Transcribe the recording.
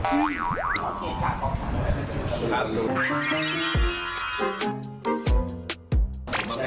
ก็ก็แค่ไปจากกองถ่ายเลย